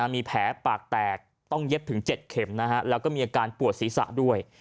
มีแผลปากแตกต้องเย็บถึง๗เข็มแล้วก็มีอาการปวดศีรษะด้วย